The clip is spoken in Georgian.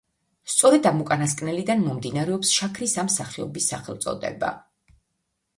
სწორედ ამ უკანასკნელიდან მომდინარეობს შაქრის ამ სახეობის სახელწოდება.